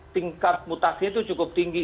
tingkat mutasinya itu cukup tinggi